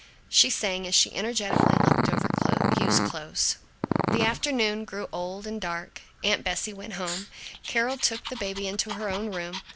She sang as she energetically looked over Hugh's clothes. The afternoon grew old and dark. Aunt Bessie went home. Carol took the baby into her own room.